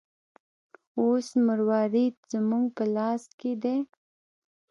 اوس مروارید زموږ په لاس کې دی.